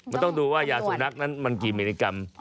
มันต้องดูว่ายาสุนัขนั้นมันกี่มิลลิกรัม